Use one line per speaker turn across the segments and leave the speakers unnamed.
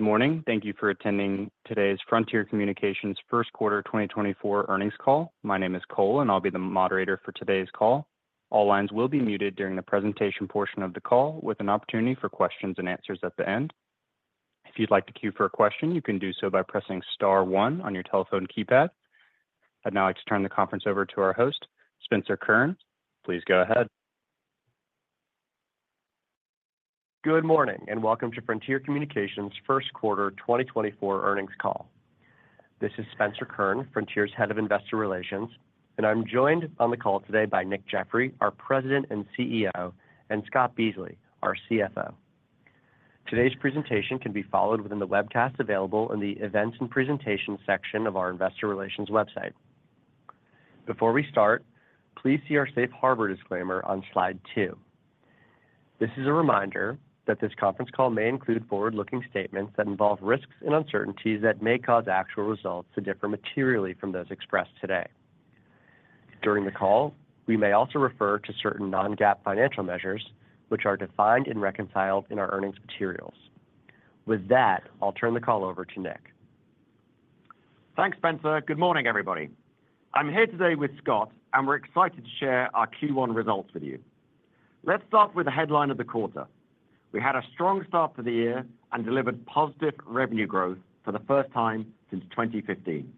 Good morning. Thank you for attending today's Frontier Communications Q1 2024 earnings call. My name is Cole, and I'll be the moderator for today's call. All lines will be muted during the presentation portion of the call, with an opportunity for questions and answers at the end. If you'd like to cue for a question, you can do so by pressing star 1 on your telephone keypad. I'd now like to turn the conference over to our host, Spencer Kurn. Please go ahead.
Good morning and welcome to Frontier Communications' Q1 2024 earnings call. This is Spencer Kurn, Frontier's Head of Investor Relations, and I'm joined on the call today by Nick Jeffery, our President and CEO, and Scott Beasley, our CFO. Today's presentation can be followed within the webcast available in the Events and Presentations section of our Investor Relations website. Before we start, please see our Safe Harbor disclaimer on slide two. This is a reminder that this conference call may include forward-looking statements that involve risks and uncertainties that may cause actual results to differ materially from those expressed today. During the call, we may also refer to certain non-GAAP financial measures, which are defined and reconciled in our earnings materials. With that, I'll turn the call over to Nick.
Thanks, Spencer. Good morning, everybody. I'm here today with Scott, and we're excited to share our Q1 results with you. Let's start with the headline of the quarter. We had a strong start to the year and delivered positive revenue growth for the first time since 2015.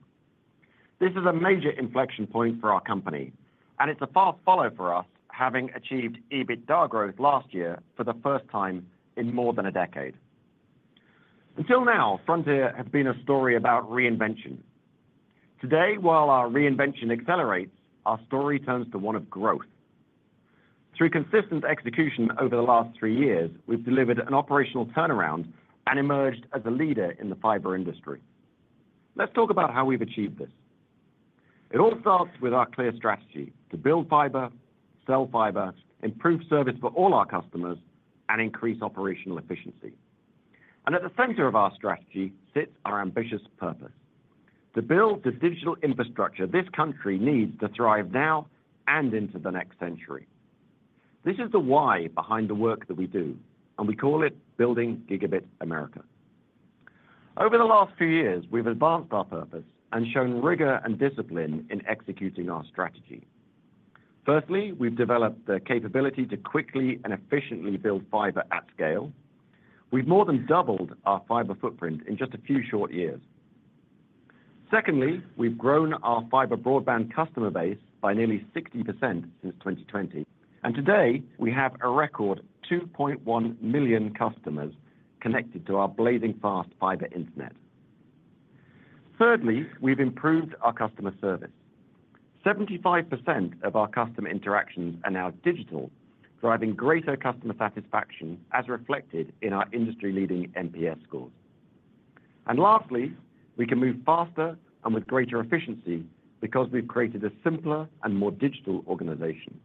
This is a major inflection point for our company, and it's a fast follow for us having achieved EBITDA growth last year for the first time in more than a decade. Until now, Frontier had been a story about reinvention. Today, while our reinvention accelerates, our story turns to one of growth. Through consistent execution over the last three years, we've delivered an operational turnaround and emerged as a leader in the fiber industry. Let's talk about how we've achieved this. It all starts with our clear strategy to build fiber, sell fiber, improve service for all our customers, and increase operational efficiency. At the center of our strategy sits our ambitious purpose: to build the digital infrastructure this country needs to thrive now and into the next century. This is the why behind the work that we do, and we call it Building Gigabit America. Over the last few years, we've advanced our purpose and shown rigor and discipline in executing our strategy. Firstly, we've developed the capability to quickly and efficiently build fiber at scale. We've more than doubled our fiber footprint in just a few short years. Secondly, we've grown our fiber broadband customer base by nearly 60% since 2020, and today we have a record 2.1 million customers connected to our blazing-fast fiber internet. Thirdly, we've improved our customer service. 75% of our customer interactions are now digital, driving greater customer satisfaction as reflected in our industry-leading NPS scores. Lastly, we can move faster and with greater efficiency because we've created a simpler and more digital organization.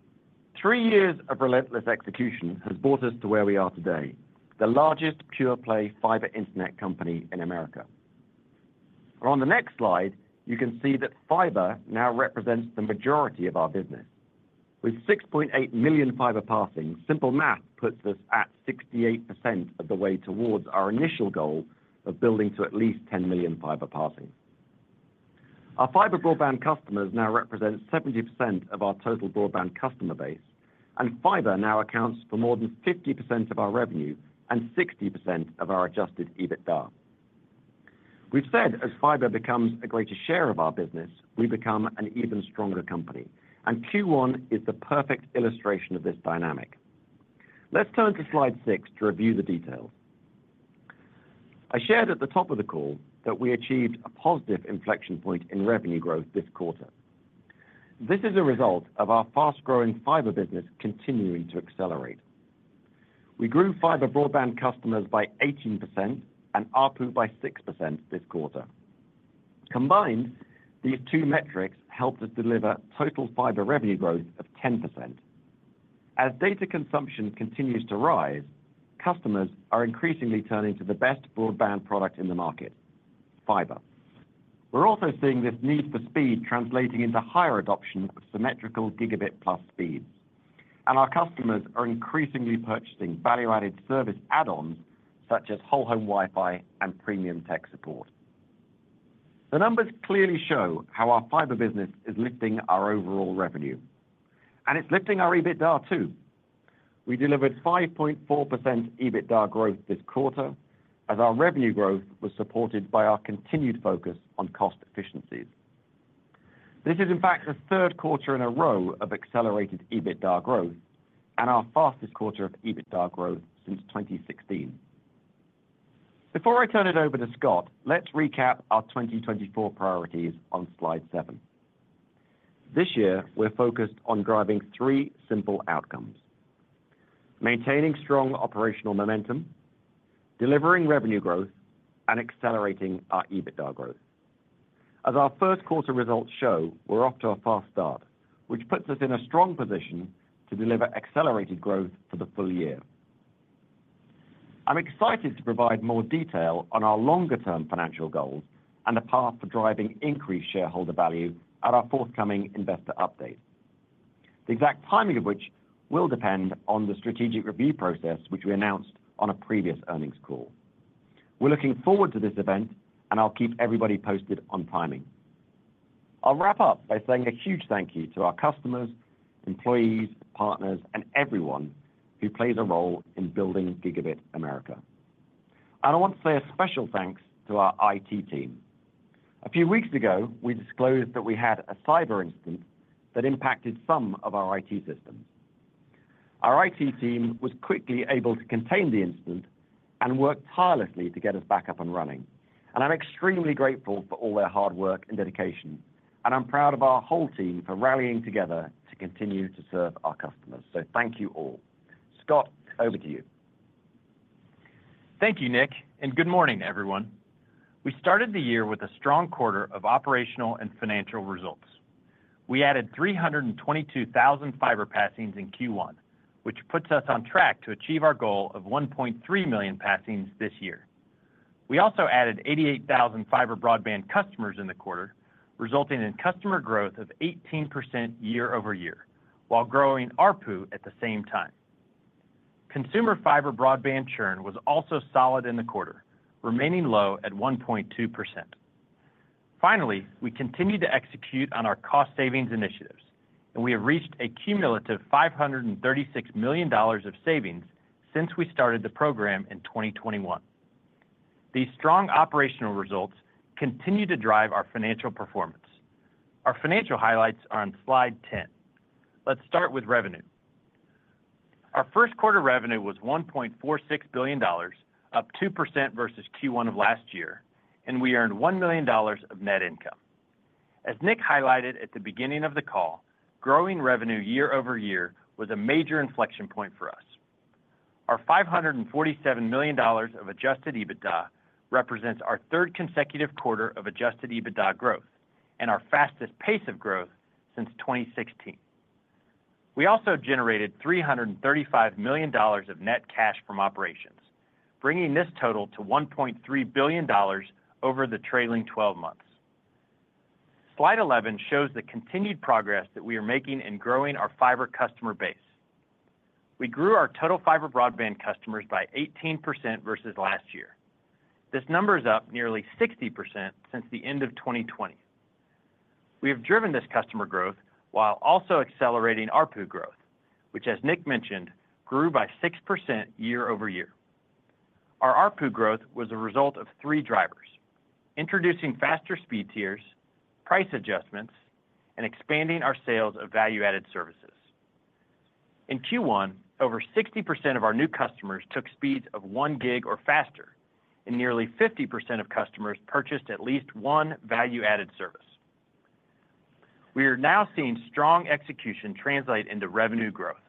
Three years of relentless execution has brought us to where we are today, the largest pure-play fiber internet company in America. On the next slide, you can see that fiber now represents the majority of our business. With 6.8 million fiber passings, simple math puts us at 68% of the way towards our initial goal of building to at least 10 million fiber passings. Our fiber broadband customers now represent 70% of our total broadband customer base, and fiber now accounts for more than 50% of our revenue and 60% of our Adjusted EBITDA. We've said as fiber becomes a greater share of our business, we become an even stronger company, and Q1 is the perfect illustration of this dynamic. Let's turn to slide six to review the details. I shared at the top of the call that we achieved a positive inflection point in revenue growth this quarter. This is a result of our fast-growing fiber business continuing to accelerate. We grew fiber broadband customers by 18% and ARPU by 6% this quarter. Combined, these two metrics helped us deliver total fiber revenue growth of 10%. As data consumption continues to rise, customers are increasingly turning to the best broadband product in the market: fiber. We're also seeing this need for speed translating into higher adoption of symmetrical gigabit-plus speeds, and our customers are increasingly purchasing value-added service add-ons such as whole-home Wi-Fi and premium tech support. The numbers clearly show how our fiber business is lifting our overall revenue, and it's lifting our EBITDA too. We delivered 5.4% EBITDA growth this quarter as our revenue growth was supported by our continued focus on cost efficiencies. This is, in fact, the third quarter in a row of accelerated EBITDA growth and our fastest quarter of EBITDA growth since 2016. Before I turn it over to Scott, let's recap our 2024 priorities on slide seven. This year, we're focused on driving three simple outcomes: maintaining strong operational momentum, delivering revenue growth, and accelerating our EBITDA growth. As our Q1 results show, we're off to a fast start, which puts us in a strong position to deliver accelerated growth for the full year. I'm excited to provide more detail on our longer-term financial goals and the path for driving increased shareholder value at our forthcoming investor update, the exact timing of which will depend on the strategic review process which we announced on a previous earnings call. We're looking forward to this event, and I'll keep everybody posted on timing. I'll wrap up by saying a huge thank you to our customers, employees, partners, and everyone who plays a role in Building Gigabit America. I want to say a special thanks to our IT team. A few weeks ago, we disclosed that we had a cyber incident that impacted some of our IT systems. Our IT team was quickly able to contain the incident and worked tirelessly to get us back up and running. I'm extremely grateful for all their hard work and dedication, and I'm proud of our whole team for rallying together to continue to serve our customers. Thank you all. Scott, over to you.
Thank you, Nick, and good morning, everyone. We started the year with a strong quarter of operational and financial results. We added 322,000 fiber passings in Q1, which puts us on track to achieve our goal of 1.3 million passings this year. We also added 88,000 fiber broadband customers in the quarter, resulting in customer growth of 18% year-over-year while growing ARPU at the same time. Consumer fiber broadband churn was also solid in the quarter, remaining low at 1.2%. Finally, we continue to execute on our cost-savings initiatives, and we have reached a cumulative $536 million of savings since we started the program in 2021. These strong operational results continue to drive our financial performance. Our financial highlights are on slide 10. Let's start with revenue. Our Q1 revenue was $1.46 billion, up 2% versus Q1 of last year, and we earned $1 million of net income. As Nick highlighted at the beginning of the call, growing revenue year-over-year was a major inflection point for us. Our $547 million of Adjusted EBITDA represents our third consecutive quarter of Adjusted EBITDA growth and our fastest pace of growth since 2016. We also generated $335 million of net cash from operations, bringing this total to $1.3 billion over the trailing 12 months. Slide 11 shows the continued progress that we are making in growing our fiber customer base. We grew our total fiber broadband customers by 18% versus last year. This number is up nearly 60% since the end of 2020. We have driven this customer growth while also accelerating ARPU growth, which, as Nick mentioned, grew by 6% year-over-year. Our ARPU growth was a result of three drivers: introducing faster speed tiers, price adjustments, and expanding our sales of value-added services. In Q1, over 60% of our new customers took speeds of one gig or faster, and nearly 50% of customers purchased at least one value-added service. We are now seeing strong execution translate into revenue growth.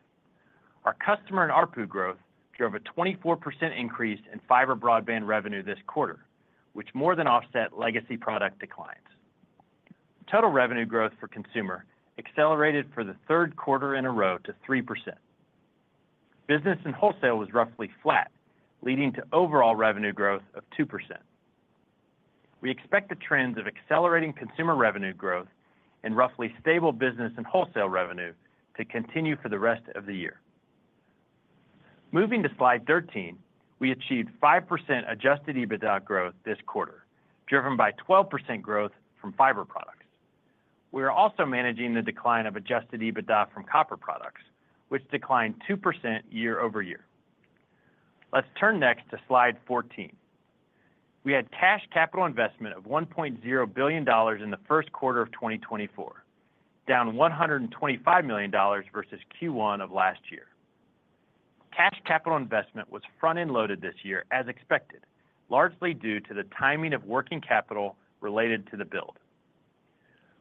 Our customer and ARPU growth drove a 24% increase in fiber broadband revenue this quarter, which more than offset legacy product declines. Total revenue growth for consumer accelerated for the third quarter in a row to 3%. Business and wholesale was roughly flat, leading to overall revenue growth of 2%. We expect the trends of accelerating consumer revenue growth and roughly stable business and wholesale revenue to continue for the rest of the year. Moving to slide 13, we achieved 5% adjusted EBITDA growth this quarter, driven by 12% growth from fiber products. We are also managing the decline of adjusted EBITDA from copper products, which declined 2% year-over-year. Let's turn next to slide 14. We had cash capital investment of $1.0 billion in the Q1 of 2024, down $125 million versus Q1 of last year. Cash capital investment was front-end loaded this year as expected, largely due to the timing of working capital related to the build.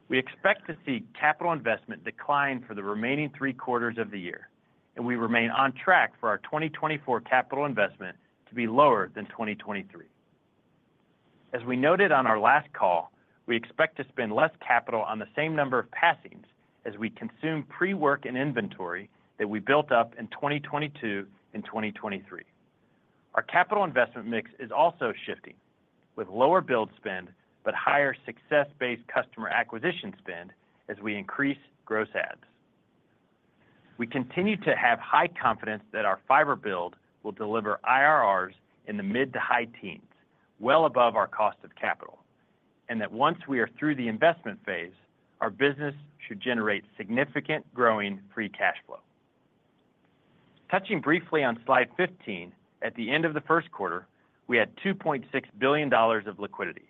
We expect to see capital investment decline for the remaining three quarters of the year, and we remain on track for our 2024 capital investment to be lower than 2023. As we noted on our last call, we expect to spend less capital on the same number of passings as we consume pre-work and inventory that we built up in 2022 and 2023. Our capital investment mix is also shifting, with lower build spend but higher success-based customer acquisition spend as we increase gross adds. We continue to have high confidence that our fiber build will deliver IRRs in the mid to high teens, well above our cost of capital, and that once we are through the investment phase, our business should generate significant growing free cash flow. Touching briefly on slide 15, at the end of the Q1, we had $2.6 billion of liquidity.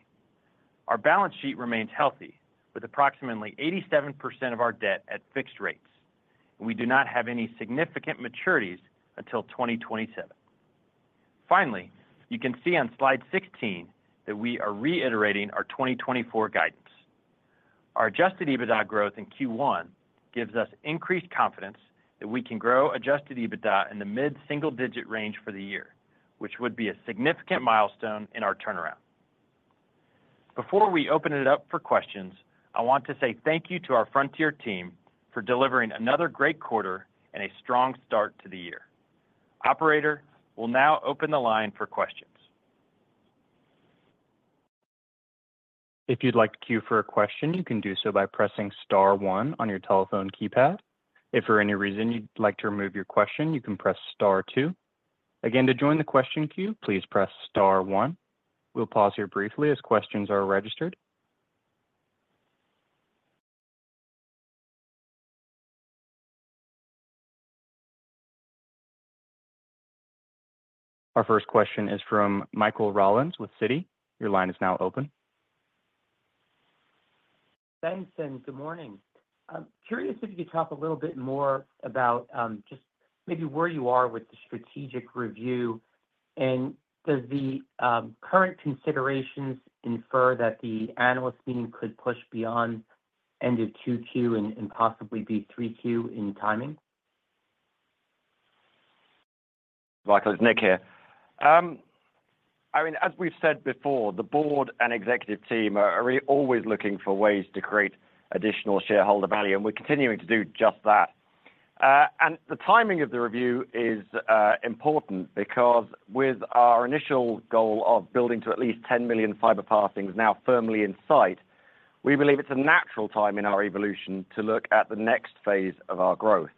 Our balance sheet remains healthy, with approximately 87% of our debt at fixed rates, and we do not have any significant maturities until 2027. Finally, you can see on slide 16 that we are reiterating our 2024 guidance. Our adjusted EBITDA growth in Q1 gives us increased confidence that we can grow adjusted EBITDA in the mid-single-digit range for the year, which would be a significant milestone in our turnaround. Before we open it up for questions, I want to say thank you to our Frontier team for delivering another great quarter and a strong start to the year. Operator, we'll now open the line for questions.
If you'd like to queue for a question, you can do so by pressing star one on your telephone keypad. If for any reason you'd like to remove your question, you can press star two. Again, to join the question queue, please press star one. We'll pause here briefly as questions are registered. Our first question is from Michael Rollins with Citi. Your line is now open.
Thanks, and good morning. I'm curious if you could talk a little bit more about just maybe where you are with the strategic review, and does the current considerations infer that the analyst meeting could push beyond end of Q2 and possibly be Q3 in timing?
Welcome. It's Nick here. I mean, as we've said before, the board and executive team are really always looking for ways to create additional shareholder value, and we're continuing to do just that. The timing of the review is important because with our initial goal of building to at least 10 million fiber passings now firmly in sight, we believe it's a natural time in our evolution to look at the next phase of our growth.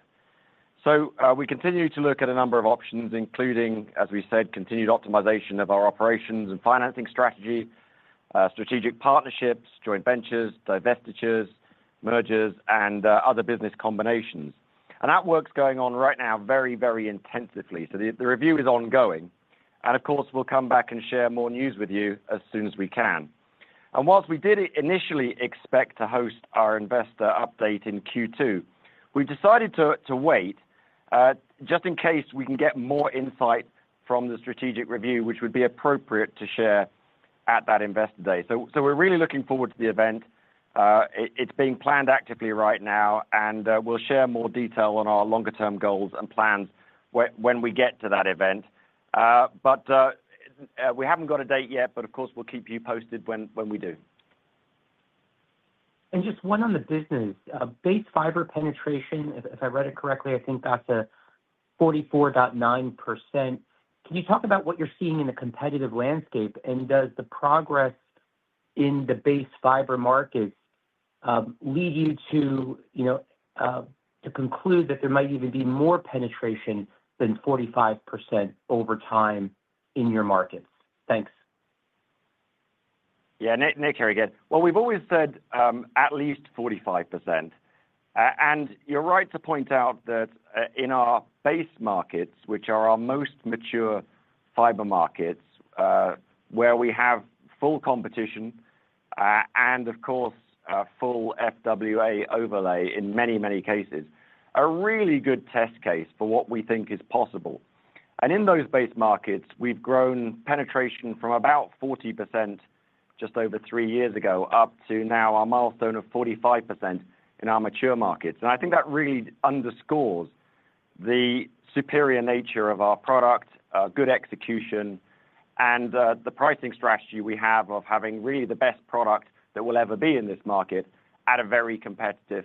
We continue to look at a number of options, including, as we said, continued optimization of our operations and financing strategy, strategic partnerships, joint ventures, divestitures, mergers, and other business combinations. That work's going on right now very, very intensively. The review is ongoing, and of course, we'll come back and share more news with you as soon as we can. Whilst we did initially expect to host our investor update in Q2, we've decided to wait just in case we can get more insight from the strategic review, which would be appropriate to share at that investor day. We're really looking forward to the event. It's being planned actively right now, and we'll share more detail on our longer-term goals and plans when we get to that event. We haven't got a date yet, but of course, we'll keep you posted when we do.
Just one on the business. Base fiber penetration, if I read it correctly, I think that's at 44.9%. Can you talk about what you're seeing in the competitive landscape, and does the progress in the base fiber markets lead you to conclude that there might even be more penetration than 45% over time in your markets? Thanks.
Yeah, Nick, here again. Well, we've always said at least 45%. And you're right to point out that in our base markets, which are our most mature fiber markets where we have full competition and, of course, full FWA overlay in many, many cases, a really good test case for what we think is possible. And in those base markets, we've grown penetration from about 40% just over three years ago up to now our milestone of 45% in our mature markets. And I think that really underscores the superior nature of our product, good execution, and the pricing strategy we have of having really the best product that will ever be in this market at a very competitive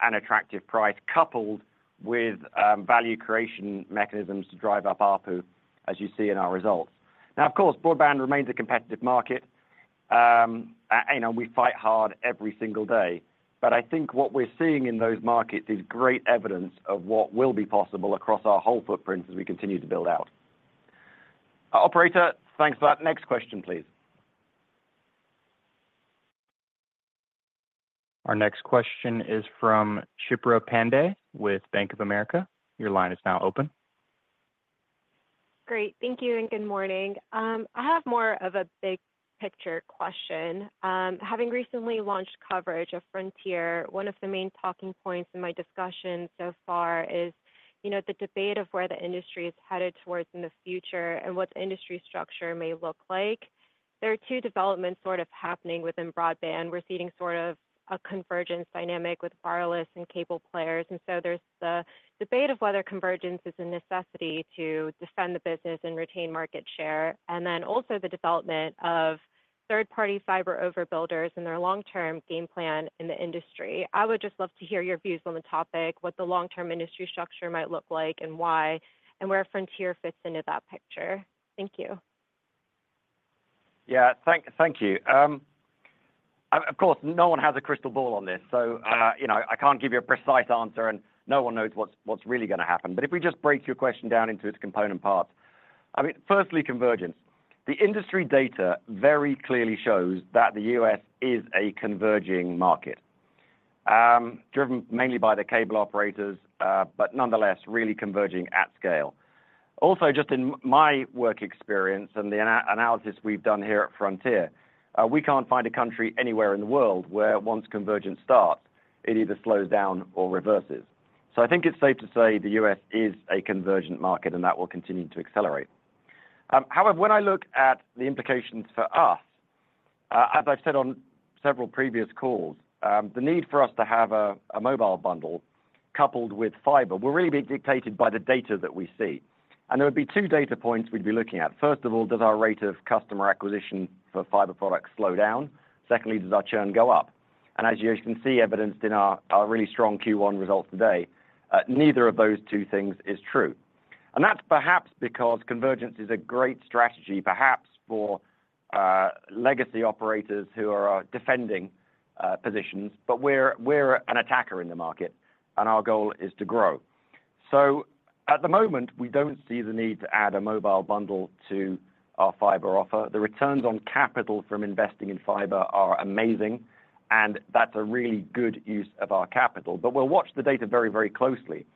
and attractive price, coupled with value creation mechanisms to drive up ARPU, as you see in our results. Now, of course, broadband remains a competitive market, and we fight hard every single day. But I think what we're seeing in those markets is great evidence of what will be possible across our whole footprint as we continue to build out. Operator, thanks for that. Next question, please.
Our next question is from Shipra Pandey with Bank of America. Your line is now open.
Great. Thank you and good morning. I have more of a big-picture question. Having recently launched coverage of Frontier, one of the main talking points in my discussion so far is the debate of where the industry is headed towards in the future and what industry structure may look like. There are two developments sort of happening within broadband. We're seeing sort of a convergence dynamic with wireless and cable players. So there's the debate of whether convergence is a necessity to defend the business and retain market share, and then also the development of third-party fiber overbuilders and their long-term game plan in the industry. I would just love to hear your views on the topic, what the long-term industry structure might look like and why, and where Frontier fits into that picture. Thank you.
Yeah, thank you. Of course, no one has a crystal ball on this, so I can't give you a precise answer, and no one knows what's really going to happen. But if we just break your question down into its component parts, I mean, firstly, convergence. The industry data very clearly shows that the U.S. is a converging market, driven mainly by the cable operators, but nonetheless really converging at scale. Also, just in my work experience and the analysis we've done here at Frontier, we can't find a country anywhere in the world where, once convergence starts, it either slows down or reverses. So I think it's safe to say the U.S. is a convergent market, and that will continue to accelerate. However, when I look at the implications for us, as I've said on several previous calls, the need for us to have a mobile bundle coupled with fiber will really be dictated by the data that we see. There would be two data points we'd be looking at. First of all, does our rate of customer acquisition for fiber products slow down? Secondly, does our churn go up? As you can see evidenced in our really strong Q1 results today, neither of those two things is true. That's perhaps because convergence is a great strategy, perhaps, for legacy operators who are defending positions, but we're an attacker in the market, and our goal is to grow. At the moment, we don't see the need to add a mobile bundle to our fiber offer. The returns on capital from investing in fiber are amazing, and that's a really good use of our capital. But we'll watch the data very, very closely.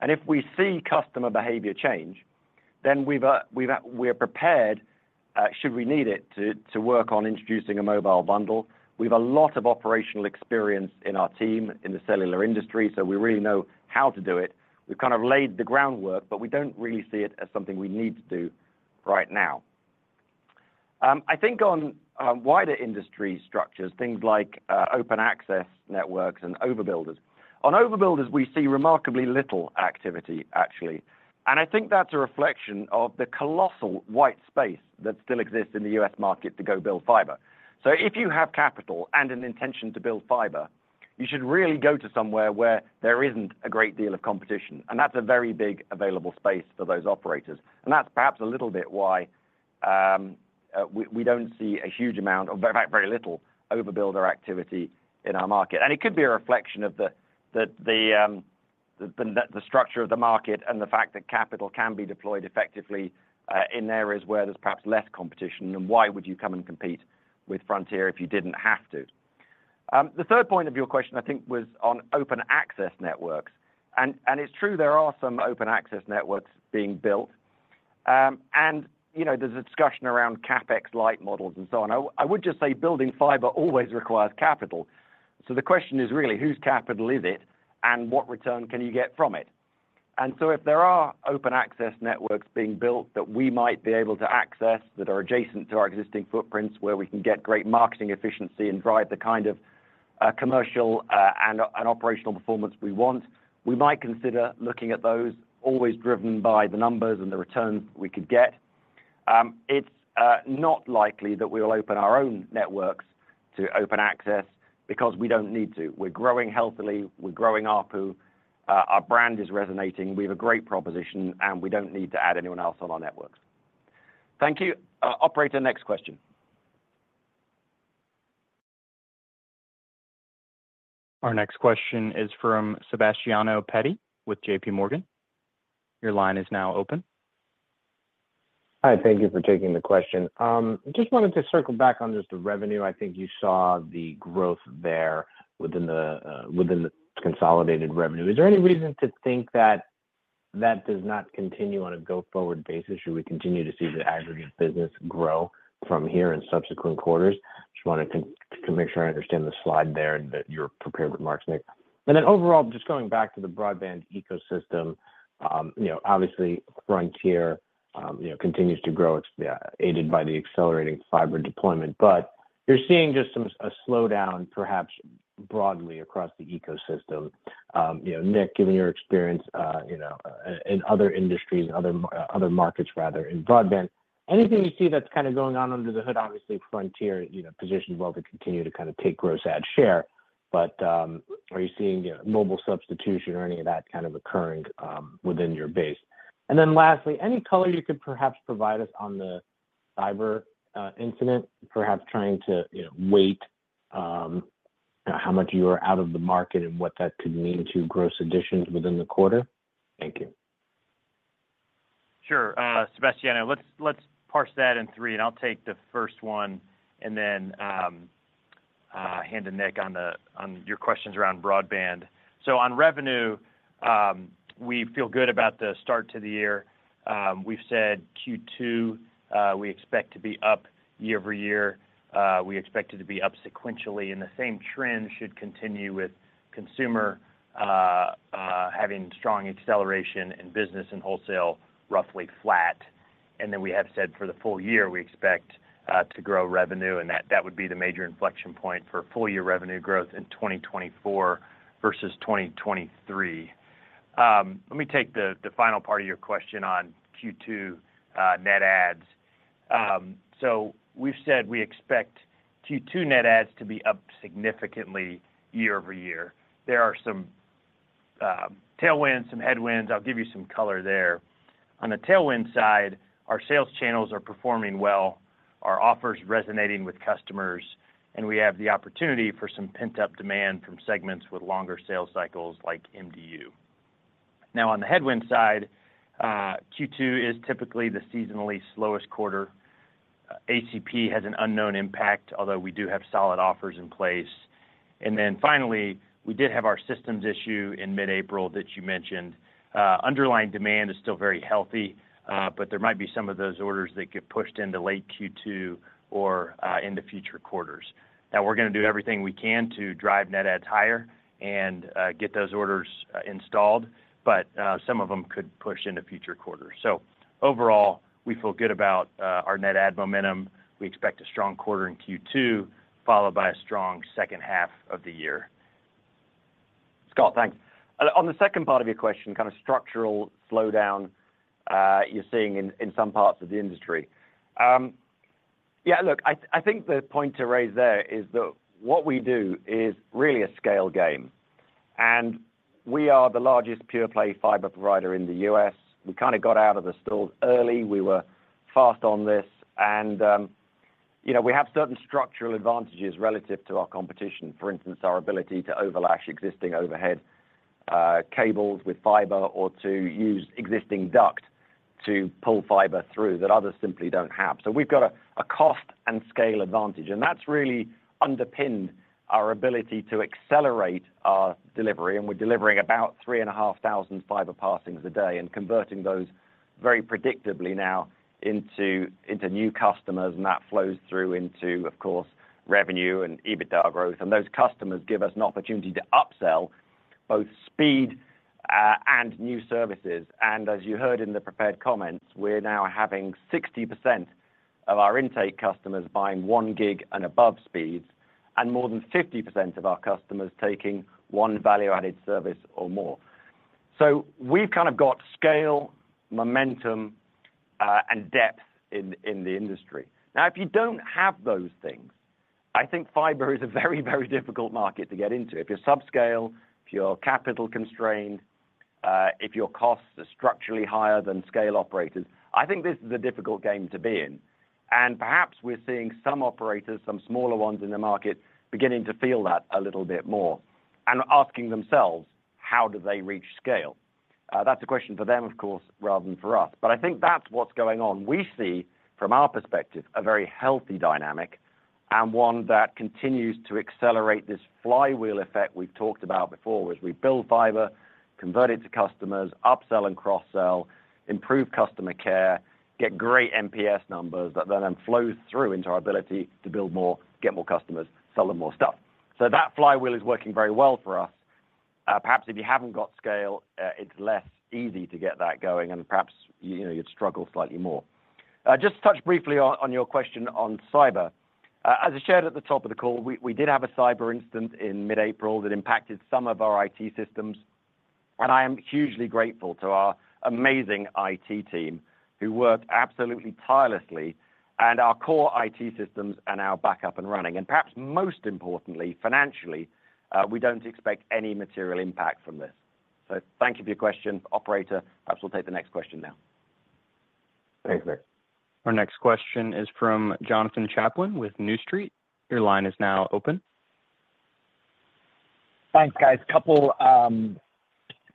And if we see customer behavior change, then we're prepared, should we need it, to work on introducing a mobile bundle. We have a lot of operational experience in our team in the cellular industry, so we really know how to do it. We've kind of laid the groundwork, but we don't really see it as something we need to do right now. I think on wider industry structures, things like open access networks and overbuilders, on overbuilders, we see remarkably little activity, actually. And I think that's a reflection of the colossal white space that still exists in the U.S. market to go build fiber. So if you have capital and an intention to build fiber, you should really go to somewhere where there isn't a great deal of competition. And that's a very big available space for those operators. And that's perhaps a little bit why we don't see a huge amount of, in fact, very little overbuilder activity in our market. And it could be a reflection of the structure of the market and the fact that capital can be deployed effectively in areas where there's perhaps less competition, and why would you come and compete with Frontier if you didn't have to? The third point of your question, I think, was on open access networks. And it's true there are some open access networks being built. And there's a discussion around CapEx-light models and so on. I would just say building fiber always requires capital. The question is really, whose capital is it, and what return can you get from it? And so if there are open access networks being built that we might be able to access that are adjacent to our existing footprints, where we can get great marketing efficiency and drive the kind of commercial and operational performance we want, we might consider looking at those, always driven by the numbers and the returns that we could get. It's not likely that we will open our own networks to open access because we don't need to. We're growing healthily. We're growing ARPU. Our brand is resonating. We have a great proposition, and we don't need to add anyone else on our networks. Thank you. Operator, next question.
Our next question is from Sebastiano Petti with J.P. Morgan. Your line is now open.
Hi. Thank you for taking the question. Just wanted to circle back on just the revenue. I think you saw the growth there within the consolidated revenue. Is there any reason to think that that does not continue on a go-forward basis? Should we continue to see the aggregate business grow from here in subsequent quarters? Just want to make sure I understand the slide there and that you're prepared with marks, Nick. And then overall, just going back to the broadband ecosystem, obviously, Frontier continues to grow, aided by the accelerating fiber deployment. But you're seeing just a slowdown, perhaps broadly across the ecosystem. Nick, given your experience in other industries, other markets, rather, in broadband, anything you see that's kind of going on under the hood? Obviously, Frontier positions well to continue to kind of take gross adds share, but are you seeing mobile substitution or any of that kind of occurring within your base? And then lastly, any color you could perhaps provide us on the cyber incident, perhaps trying to weigh how much you are out of the market and what that could mean to gross additions within the quarter? Thank you.
Sure. Sebastiano, let's parse that in three, and I'll take the first one and then hand to Nick on your questions around broadband. So on revenue, we feel good about the start to the year. We've said Q2 we expect to be up year-over-year. We expect it to be up sequentially, and the same trend should continue with consumer having strong acceleration and business and wholesale roughly flat. And then we have said for the full year, we expect to grow revenue, and that would be the major inflection point for full-year revenue growth in 2024 versus 2023. Let me take the final part of your question on Q2 net ads. So we've said we expect Q2 net adds to be up significantly year-over-year. There are some tailwinds, some headwinds. I'll give you some color there. On the tailwind side, our sales channels are performing well, our offers resonating with customers, and we have the opportunity for some pent-up demand from segments with longer sales cycles like MDU. Now, on the headwind side, Q2 is typically the seasonally slowest quarter. ACP has an unknown impact, although we do have solid offers in place. Then finally, we did have our systems issue in mid-April that you mentioned. Underlying demand is still very healthy, but there might be some of those orders that get pushed into late Q2 or into future quarters. Now, we're going to do everything we can to drive net adds higher and get those orders installed, but some of them could push into future quarters. So overall, we feel good about our net adds momentum. We expect a strong quarter in Q2 followed by a strong H2 of the year.
Scott, thanks. On the second part of your question, kind of structural slowdown you're seeing in some parts of the industry. Yeah, look, I think the point to raise there is that what we do is really a scale game. And we are the largest pure-play fiber provider in the U.S. We kind of got out of the stalls early. We were fast on this. And we have certain structural advantages relative to our competition. For instance, our ability to overlash existing overhead cables with fiber or to use existing duct to pull fiber through that others simply don't have. So we've got a cost and scale advantage, and that's really underpinned our ability to accelerate our delivery. And we're delivering about 3,500 fiber passings a day and converting those very predictably now into new customers. And that flows through into, of course, revenue and EBITDA growth. Those customers give us an opportunity to upsell both speed and new services. As you heard in the prepared comments, we're now having 60% of our intake customers buying 1 gig and above speeds and more than 50% of our customers taking one value-added service or more. We've kind of got scale, momentum, and depth in the industry. Now, if you don't have those things, I think fiber is a very, very difficult market to get into. If you're subscale, if you're capital-constrained, if your costs are structurally higher than scale operators, I think this is a difficult game to be in. Perhaps we're seeing some operators, some smaller ones in the market, beginning to feel that a little bit more and asking themselves, "How do they reach scale?" That's a question for them, of course, rather than for us. But I think that's what's going on. We see, from our perspective, a very healthy dynamic and one that continues to accelerate this flywheel effect we've talked about before, whereas we build fiber, convert it to customers, upsell and cross-sell, improve customer care, get great NPS numbers that then flow through into our ability to build more, get more customers, sell them more stuff. So that flywheel is working very well for us. Perhaps if you haven't got scale, it's less easy to get that going, and perhaps you'd struggle slightly more. Just to touch briefly on your question on cyber. As I shared at the top of the call, we did have a cyber incident in mid-April that impacted some of our IT systems. And I am hugely grateful to our amazing IT team who worked absolutely tirelessly and our core IT systems and our backup and running. Perhaps most importantly, financially, we don't expect any material impact from this. Thank you for your question, operator. Perhaps we'll take the next question now.
Thanks, Nick.
Our next question is from Jonathan Chaplin with New Street. Your line is now open.
Thanks, guys. A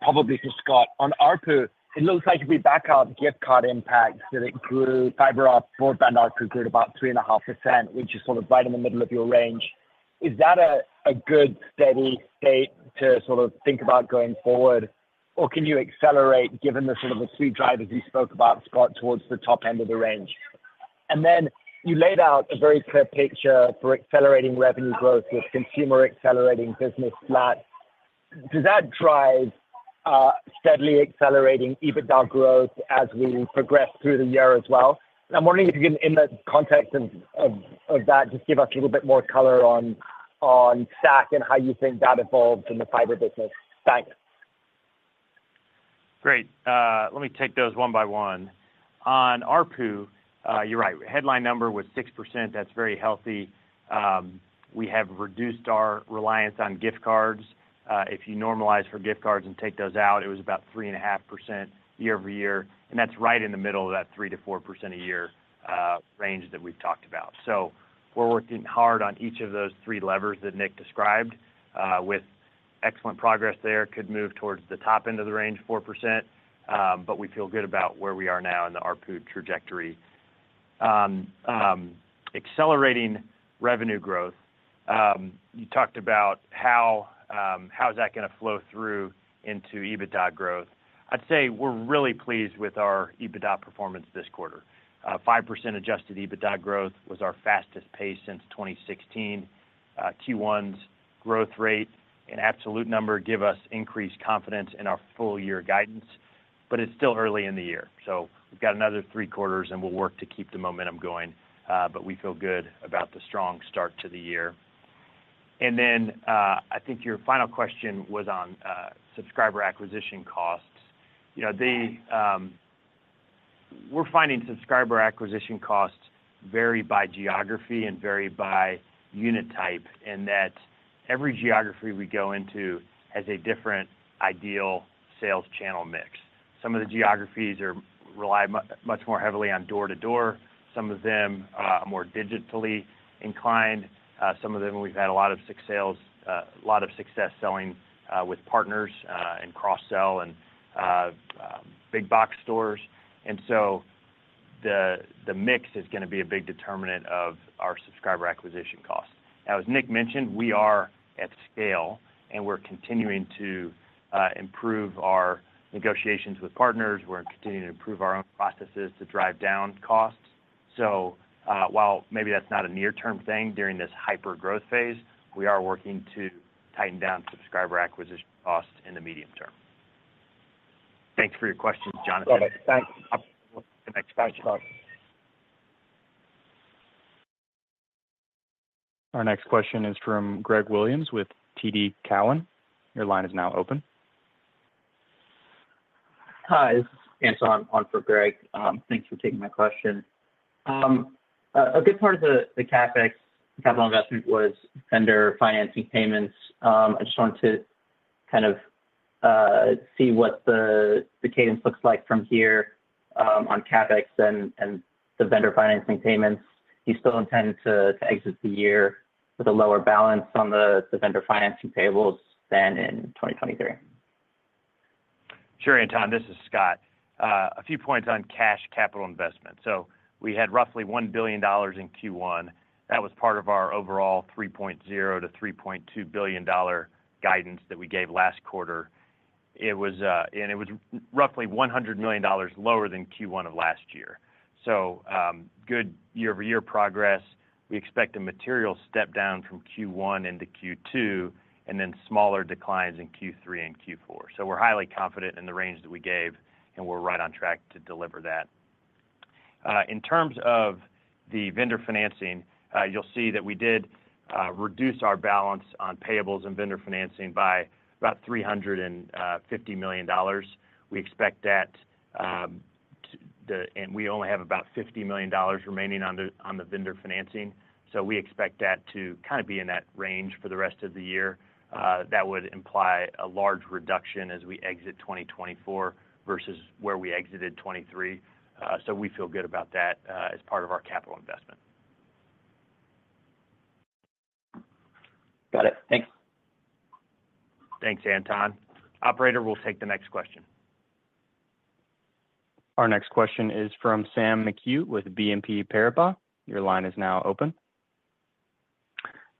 couple, probably for Scott. On ARPU, it looks like if we back out gift card impacts, fiber broadband ARPU grew about 3.5%, which is sort of right in the middle of your range. Is that a good, steady state to sort of think about going forward, or can you accelerate given the sort of the three drivers you spoke about, Scott, towards the top end of the range? And then you laid out a very clear picture for accelerating revenue growth with consumer accelerating, business flat. Does that drive steadily accelerating EBITDA growth as we progress through the year as well? And I'm wondering if you can, in the context of that, just give us a little bit more color on SAC and how you think that evolves in the fiber business. Thanks.
Great. Let me take those one by one. On ARPU, you're right. Headline number was 6%. That's very healthy. We have reduced our reliance on gift cards. If you normalize for gift cards and take those out, it was about 3.5% year-over-year. And that's right in the middle of that 3% to 4% a year range that we've talked about. So we're working hard on each of those three levers that Nick described with excellent progress there. Could move towards the top end of the range, 4%. But we feel good about where we are now in the ARPU trajectory. Accelerating revenue growth, you talked about how is that going to flow through into EBITDA growth? I'd say we're really pleased with our EBITDA performance this quarter. 5% adjusted EBITDA growth was our fastest pace since 2016. Q1's growth rate and absolute number give us increased confidence in our full-year guidance. But it's still early in the year. So we've got another three quarters, and we'll work to keep the momentum going. But we feel good about the strong start to the year. And then I think your final question was on subscriber acquisition costs. We're finding subscriber acquisition costs vary by geography and vary by unit type, in that every geography we go into has a different ideal sales channel mix. Some of the geographies rely much more heavily on door-to-door. Some of them are more digitally inclined. Some of them, we've had a lot of success selling with partners and cross-sell and big-box stores. And so the mix is going to be a big determinant of our subscriber acquisition costs. Now, as Nick mentioned, we are at scale, and we're continuing to improve our negotiations with partners. We're continuing to improve our own processes to drive down costs. So while maybe that's not a near-term thing during this hyper-growth phase, we are working to tighten down subscriber acquisition costs in the medium term. Thanks for your questions, Jonathan.
All right. Thanks. Thanks, Scott.
Our next question is from Greg Williams with TD Cowen. Your line is now open.
Hi. This is Anton on for Greg. Thanks for taking my question. A good part of the CapEx, capital investment, was vendor financing payments. I just wanted to kind of see what the cadence looks like from here on CapEx and the vendor financing payments. Do you still intend to exit the year with a lower balance on the vendor financing payables than in 2023?
Sure, Anton. This is Scott. A few points on cash capital investment. So we had roughly $1 billion in Q1. That was part of our overall $3.0 to 3.2 billion guidance that we gave last quarter. And it was roughly $100 million lower than Q1 of last year. So good year-over-year progress. We expect a material step down from Q1 into Q2 and then smaller declines in Q3 and Q4. So we're highly confident in the range that we gave, and we're right on track to deliver that. In terms of the vendor financing, you'll see that we did reduce our balance on payables and vendor financing by about $350 million. We expect that to and we only have about $50 million remaining on the vendor financing. So we expect that to kind of be in that range for the rest of the year. That would imply a large reduction as we exit 2024 versus where we exited 2023. So we feel good about that as part of our capital investment.
Got it. Thanks.
Thanks, Anton. Operator, we'll take the next question.
Our next question is from Sam McHugh with BNP Paribas. Your line is now open.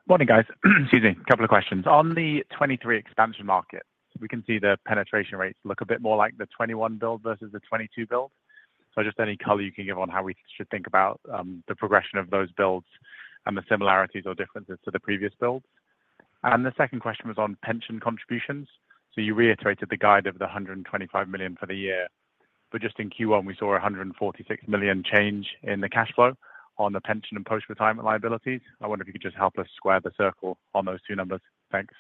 Morning, guys. Excuse me. Couple of questions. On the 2023 expansion market, we can see the penetration rates look a bit more like the 2021 build versus the 2022 build. So just any color you can give on how we should think about the progression of those builds and the similarities or differences to the previous builds. And the second question was on pension contributions. So you reiterated the guide of $125 million for the year, but just in Q1, we saw a $146 million change in the cash flow on the pension and post-retirement liabilities. I wonder if you could just help us square the circle on those two numbers. Thanks.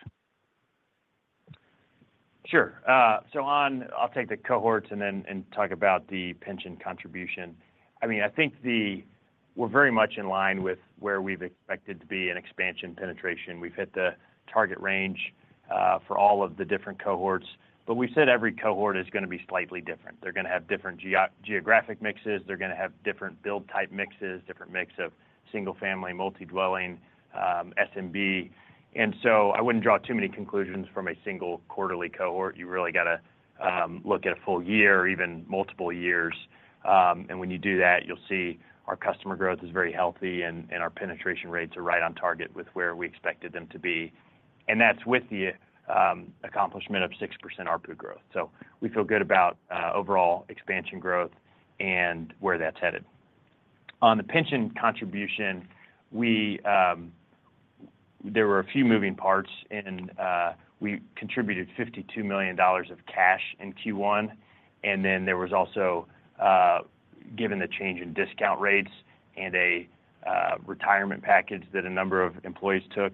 Sure. So I'll take the cohorts and then talk about the pension contribution. I mean, I think we're very much in line with where we've expected to be in expansion penetration. We've hit the target range for all of the different cohorts, but we've said every cohort is going to be slightly different. They're going to have different geographic mixes. They're going to have different build-type mixes, different mix of single-family, multi-dwelling, SMB. And so I wouldn't draw too many conclusions from a single quarterly cohort. You really got to look at a full year or even multiple years. And when you do that, you'll see our customer growth is very healthy, and our penetration rates are right on target with where we expected them to be. And that's with the accomplishment of 6% ARPU growth. So we feel good about overall expansion growth and where that's headed. On the pension contribution, there were a few moving parts. We contributed $52 million of cash in Q1. And then there was also, given the change in discount rates and a retirement package that a number of employees took,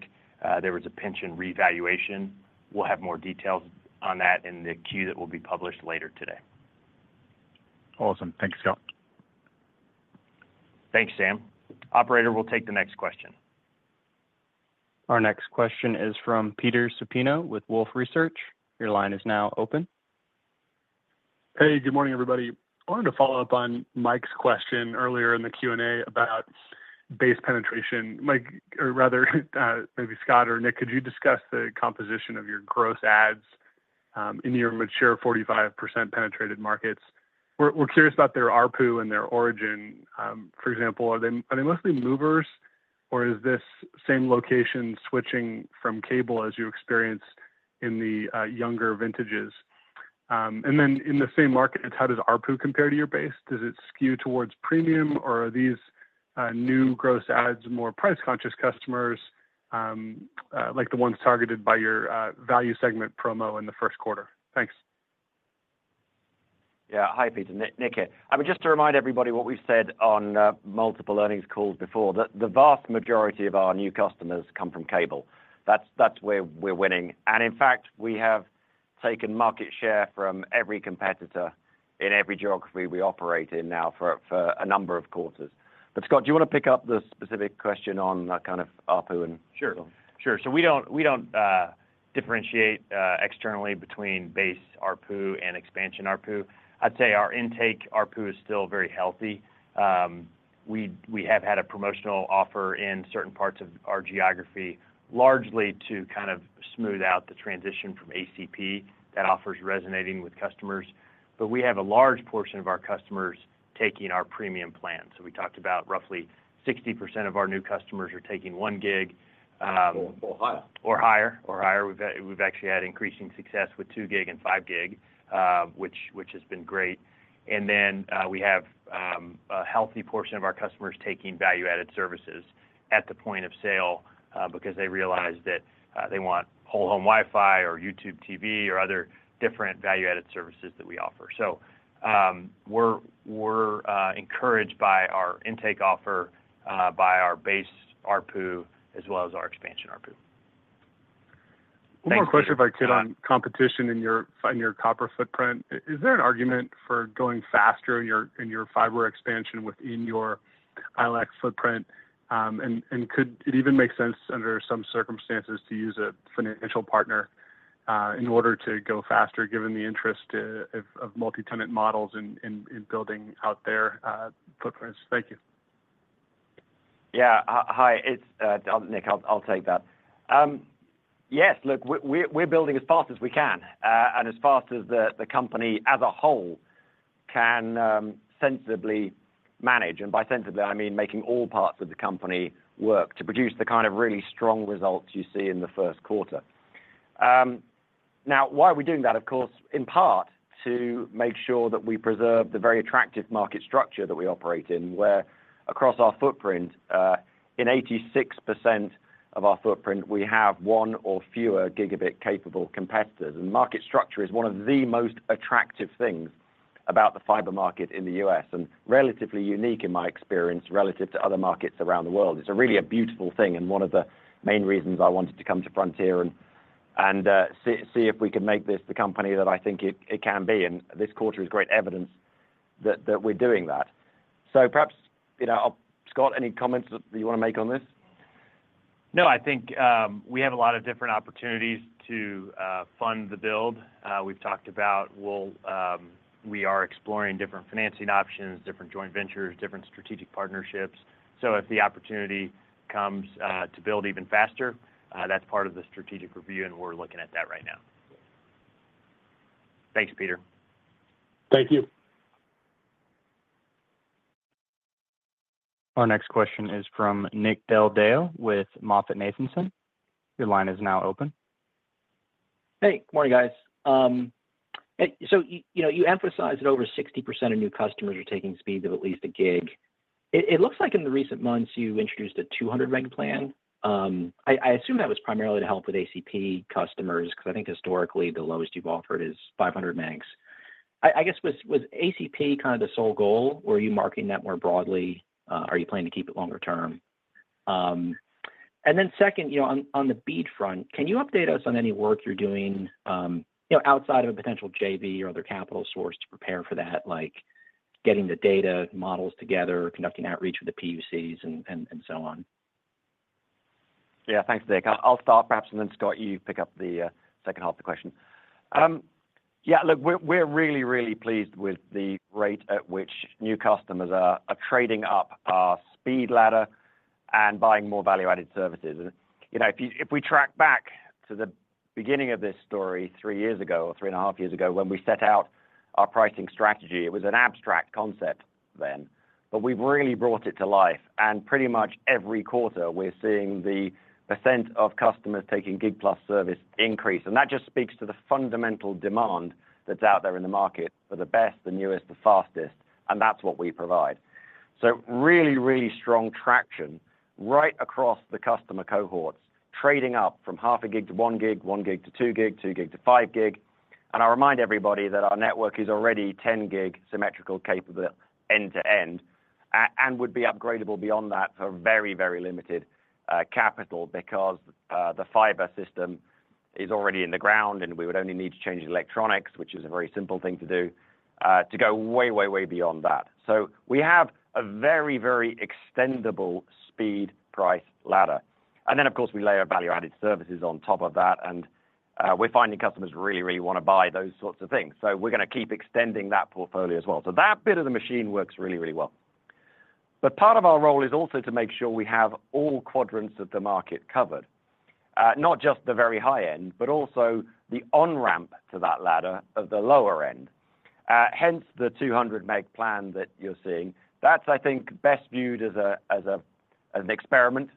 there was a pension revaluation. We'll have more details on that in the queue that will be published later today.
Awesome. Thanks, Scott.
Thanks, Sam. Operator, we'll take the next question.
Our next question is from Peter Supino with Wolfe Research. Your line is now open.
Hey, good morning, everybody. I wanted to follow up on Mike's question earlier in the Q&A about base penetration. Mike, or rather, maybe Scott or Nick, could you discuss the composition of your gross adds in your mature 45% penetrated markets? We're curious about their ARPU and their origin. For example, are they mostly movers, or is this same location switching from cable as you experience in the younger vintages? And then in the same markets, how does ARPU compare to your base? Does it skew towards premium, or are these new gross adds more price-conscious customers like the ones targeted by your value segment promo in the Q1? Thanks.
Yeah. Hi, Peter. Nick here. I mean, just to remind everybody what we've said on multiple earnings calls before, the vast majority of our new customers come from cable. That's where we're winning. And in fact, we have taken market share from every competitor in every geography we operate in now for a number of quarters. But Scott, do you want to pick up the specific question on kind of ARPU and so on?
Sure. Sure. So we don't differentiate externally between base ARPU and expansion ARPU. I'd say our intake ARPU is still very healthy. We have had a promotional offer in certain parts of our geography, largely to kind of smooth out the transition from ACP, that offer is resonating with customers. But we have a large portion of our customers taking our premium plan. So we talked about roughly 60% of our new customers are taking 1 gig.
Or higher.
Or higher or higher. We've actually had increasing success with 2 gig and 5 gig, which has been great. And then we have a healthy portion of our customers taking value-added services at the point of sale because they realize that they want whole-home Wi-Fi or YouTube TV or other different value-added services that we offer. So we're encouraged by our intake offer, by our base ARPU, as well as our expansion ARPU.
Thanks, Scott.
One more question if I could on competition in your copper footprint. Is there an argument for going faster in your fiber expansion within your ILEC footprint? And could it even make sense under some circumstances to use a financial partner in order to go faster given the interest of multi-tenant models in building out their footprints? Thank you.
Yeah. Hi. Nick, I'll take that. Yes. Look, we're building as fast as we can and as fast as the company as a whole can sensibly manage. And by sensibly, I mean making all parts of the company work to produce the kind of really strong results you see in the Q1. Now, why are we doing that? Of course, in part to make sure that we preserve the very attractive market structure that we operate in, where across our footprint, in 86% of our footprint, we have one or fewer gigabit-capable competitors. And market structure is one of the most attractive things about the fiber market in the U.S. and relatively unique, in my experience, relative to other markets around the world. It's really a beautiful thing and one of the main reasons I wanted to come to Frontier and see if we could make this the company that I think it can be. This quarter is great evidence that we're doing that. So perhaps, Scott, any comments that you want to make on this?
No. I think we have a lot of different opportunities to fund the build. We've talked about we are exploring different financing options, different joint ventures, different strategic partnerships. So if the opportunity comes to build even faster, that's part of the strategic review, and we're looking at that right now. Thanks, Peter.
Thank you.
Our next question is from Nick Del Deo with MoffettNathanson. Your line is now open.
Hey. Morning, guys. So you emphasized that over 60% of new customers are taking speeds of at least a gig. It looks like in the recent months, you introduced a 200-meg plan. I assume that was primarily to help with ACP customers because I think historically, the lowest you've offered is 500 megs. I guess, was ACP kind of the sole goal, or are you marketing that more broadly? Are you planning to keep it longer term? And then second, on the BEAD front, can you update us on any work you're doing outside of a potential JV or other capital source to prepare for that, like getting the data models together, conducting outreach with the PUCs, and so on?
Yeah. Thanks, Nick. I'll start perhaps, and then Scott, you pick up the second half of the question. Yeah. Look, we're really, really pleased with the rate at which new customers are trading up our speed ladder and buying more value-added services. And if we track back to the beginning of this story three years ago or three and a half years ago, when we set out our pricing strategy, it was an abstract concept then. But we've really brought it to life. And pretty much every quarter, we're seeing the percent of customers taking gig-plus service increase. And that just speaks to the fundamental demand that's out there in the market for the best, the newest, the fastest. And that's what we provide. So really, really strong traction right across the customer cohorts, trading up from 0.5 gig to 1 gig, 1 gig to 2 gig, 2 gig to 5 gig. And I'll remind everybody that our network is already 10 gig symmetrical capable end-to-end and would be upgradable beyond that for very, very limited capital because the fiber system is already in the ground, and we would only need to change electronics, which is a very simple thing to do, to go way, way, way beyond that. So we have a very, very extendable speed price ladder. And then, of course, we layer value-added services on top of that. And we're finding customers really, really want to buy those sorts of things. So we're going to keep extending that portfolio as well. So that bit of the machine works really, really well. But part of our role is also to make sure we have all quadrants of the market covered, not just the very high end, but also the on-ramp to that ladder of the lower end. Hence, the 200 MEG plan that you're seeing, that's, I think, best viewed as an experiment,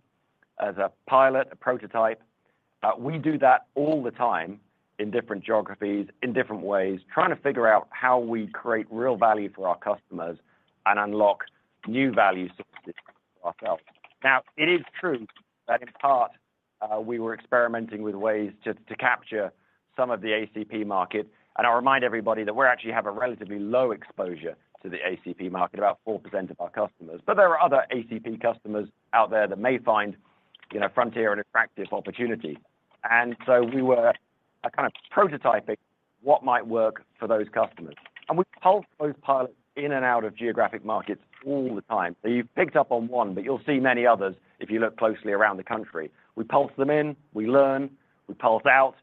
as a pilot, a prototype. We do that all the time in different geographies, in different ways, trying to figure out how we create real value for our customers and unlock new value sources for ourselves. Now, it is true that in part, we were experimenting with ways to capture some of the ACP market. And I'll remind everybody that we actually have a relatively low exposure to the ACP market, about 4% of our customers. But there are other ACP customers out there that may find Frontier an attractive opportunity. And so we were kind of prototyping what might work for those customers. And we pulse those pilots in and out of geographic markets all the time. So you've picked up on one, but you'll see many others if you look closely around the country. We pulse them in, we learn, we pulse out,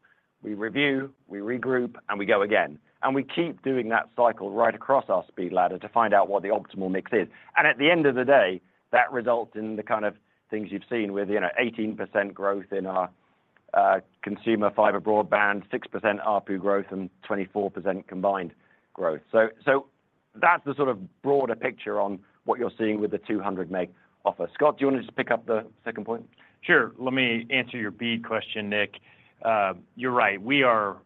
we review, we regroup, and we go again. And we keep doing that cycle right across our speed ladder to find out what the optimal mix is. And at the end of the day, that results in the kind of things you've seen with 18% growth in our consumer fiber broadband, 6% ARPU growth, and 24% combined growth. So that's the sort of broader picture on what you're seeing with the 200 MEG offer. Scott, do you want to just pick up the second point?
Sure. Let me answer your BEAD question, Nick. You're right. We are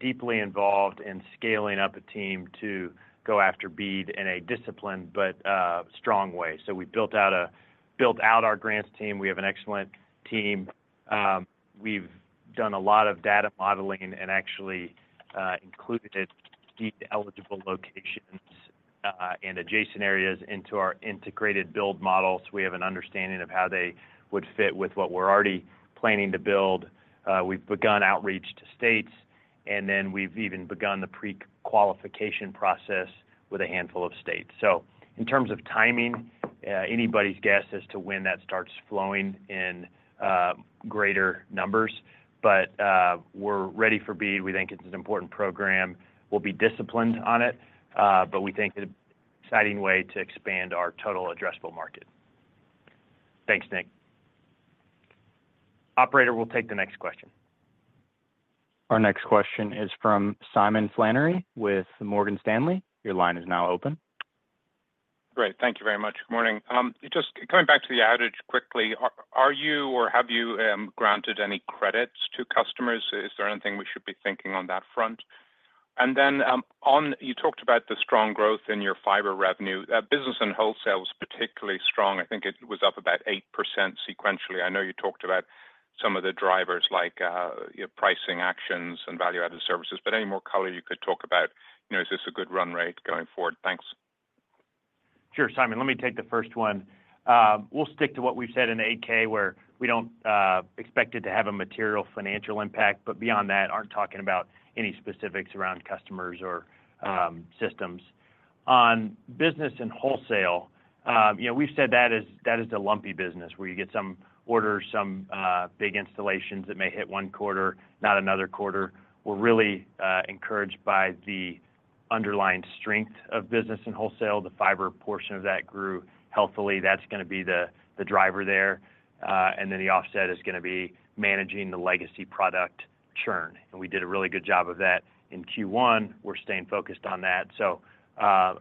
deeply involved in scaling up a team to go after BEAD in a disciplined, but strong way. So we built out our grants team. We have an excellent team. We've done a lot of data modeling and actually included BEAD-eligible locations and adjacent areas into our integrated build model. So we have an understanding of how they would fit with what we're already planning to build. We've begun outreach to states, and then we've even begun the pre-qualification process with a handful of states. So in terms of timing, anybody's guess as to when that starts flowing in greater numbers. But we're ready for BEAD. We think it's an important program. We'll be disciplined on it, but we think it's an exciting way to expand our total addressable market. Thanks, Nick. Operator, we'll take the next question.
Our next question is from Simon Flannery with Morgan Stanley. Your line is now open.
Great. Thank you very much. Good morning. Just coming back to the outage quickly, are you or have you granted any credits to customers? Is there anything we should be thinking on that front? And then you talked about the strong growth in your fiber revenue. Business and wholesale was particularly strong. I think it was up about 8% sequentially. I know you talked about some of the drivers like pricing actions and value-added services. But any more color you could talk about? Is this a good run rate going forward? Thanks.
Sure, Simon. Let me take the first one. We'll stick to what we've said in 8K, where we don't expect it to have a material financial impact. But beyond that, we aren't talking about any specifics around customers or systems. On business and wholesale, we've said that is a lumpy business where you get some orders, some big installations that may hit one quarter, not another quarter. We're really encouraged by the underlying strength of business and wholesale. The fiber portion of that grew healthily. That's going to be the driver there. And then the offset is going to be managing the legacy product churn. And we did a really good job of that in Q1. We're staying focused on that. So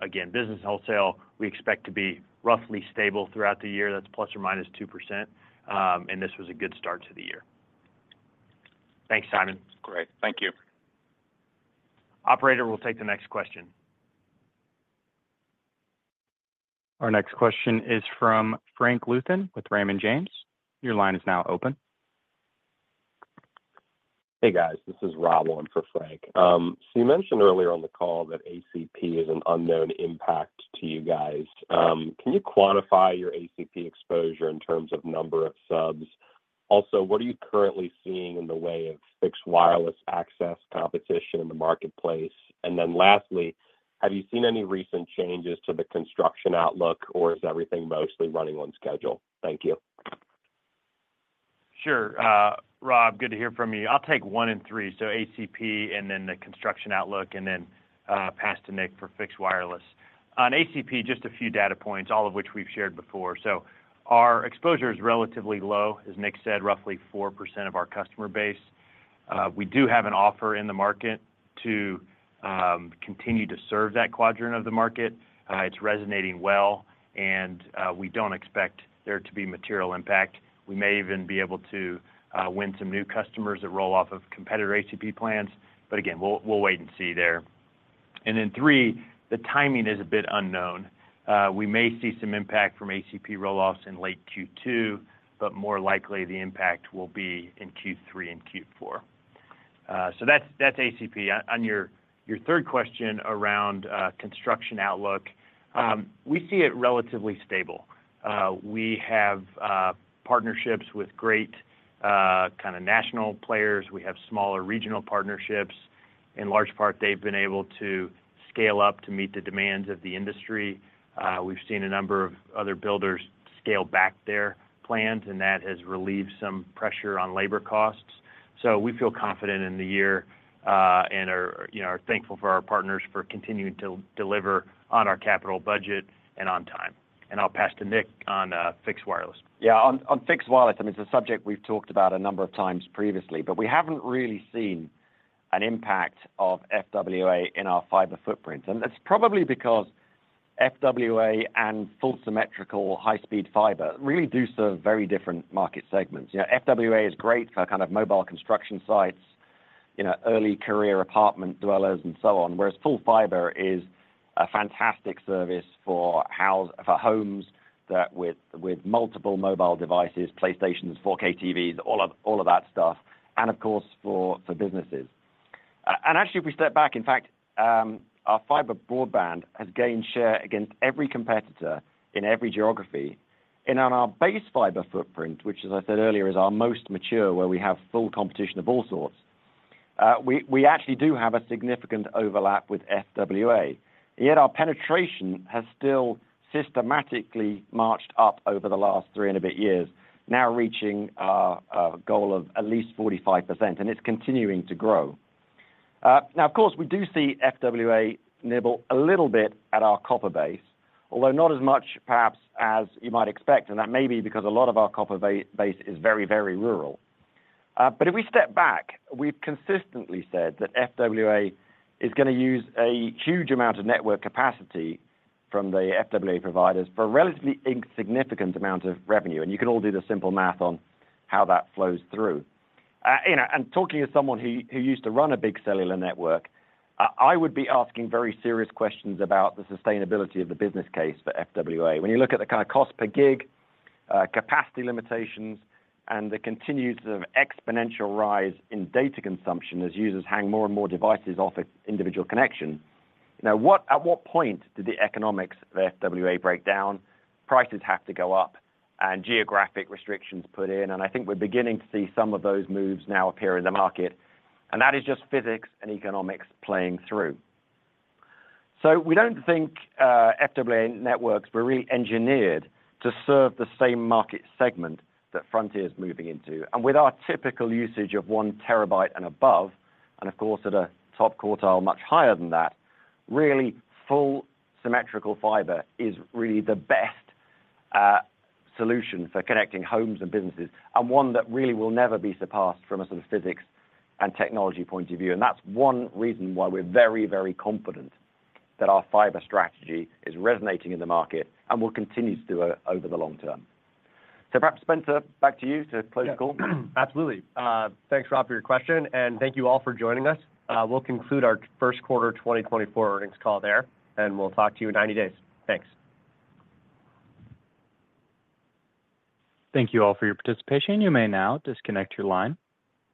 again, business and wholesale, we expect to be roughly stable throughout the year. That's ±2%. And this was a good start to the year. Thanks, Simon.
Great. Thank you.
Operator, we'll take the next question.
Our next question is from Frank Louthan with Raymond James. Your line is now open.
Hey, guys. This is Robert Majek for Frank Louthan. So you mentioned earlier on the call that ACP is an unknown impact to you guys. Can you quantify your ACP exposure in terms of number of subs? Also, what are you currently seeing in the way of fixed wireless access competition in the marketplace? And then lastly, have you seen any recent changes to the construction outlook, or is everything mostly running on schedule? Thank you.
Sure, Rob. Good to hear from you. I'll take one and three. So ACP and then the construction outlook, and then pass to Nick for fixed wireless. On ACP, just a few data points, all of which we've shared before. So our exposure is relatively low, as Nick said, roughly 4% of our customer base. We do have an offer in the market to continue to serve that quadrant of the market. It's resonating well, and we don't expect there to be material impact. We may even be able to win some new customers that roll off of competitor ACP plans. But again, we'll wait and see there. And then three, the timing is a bit unknown. We may see some impact from ACP rollouts in late Q2, but more likely, the impact will be in Q3 and Q4. So that's ACP. On your third question around construction outlook, we see it relatively stable. We have partnerships with great kind of national players. We have smaller regional partnerships. In large part, they've been able to scale up to meet the demands of the industry. We've seen a number of other builders scale back their plans, and that has relieved some pressure on labor costs. So we feel confident in the year and are thankful for our partners for continuing to deliver on our capital budget and on time. I'll pass to Nick on fixed wireless.
Yeah. On fixed wireless, I mean, it's a subject we've talked about a number of times previously, but we haven't really seen an impact of FWA in our fiber footprint. And it's probably because FWA and full symmetrical high-speed fiber really do serve very different market segments. FWA is great for kind of mobile construction sites, early career apartment dwellers, and so on, whereas full fiber is a fantastic service for homes with multiple mobile devices, PlayStations, 4K TVs, all of that stuff, and of course, for businesses. And actually, if we step back, in fact, our fiber broadband has gained share against every competitor in every geography. And on our base fiber footprint, which, as I said earlier, is our most mature, where we have full competition of all sorts, we actually do have a significant overlap with FWA. Yet our penetration has still systematically marched up over the last three and a bit years, now reaching our goal of at least 45%. It's continuing to grow. Now, of course, we do see FWA nibble a little bit at our copper base, although not as much, perhaps, as you might expect. That may be because a lot of our copper base is very, very rural. But if we step back, we've consistently said that FWA is going to use a huge amount of network capacity from the FWA providers for a relatively insignificant amount of revenue. You can all do the simple math on how that flows through. Talking to someone who used to run a big cellular network, I would be asking very serious questions about the sustainability of the business case for FWA. When you look at the kind of cost per gig, capacity limitations, and the continued sort of exponential rise in data consumption as users hang more and more devices off an individual connection, at what point did the economics of FWA break down? Prices have to go up, and geographic restrictions put in. And that is just physics and economics playing through. So we don't think FWA networks were really engineered to serve the same market segment that Frontier is moving into. And with our typical usage of 1 TB and above, and of course, at a top quartile much higher than that, really full symmetrical fiber is really the best solution for connecting homes and businesses, and one that really will never be surpassed from a sort of physics and technology point of view. And that's one reason why we're very, very confident that our fiber strategy is resonating in the market and will continue to do over the long term. So perhaps, Spencer, back to you to close the call.
Absolutely. Thanks, Rob, for your question. Thank you all for joining us. We'll conclude our Q1 2024 earnings call there, and we'll talk to you in 90 days. Thanks.
Thank you all for your participation. You may now disconnect your line.